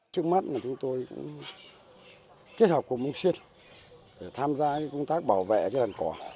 trước mắt chúng tôi kết hợp cùng ông xuyên để tham gia công tác bảo vệ đàn cò